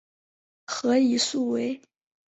何以速为。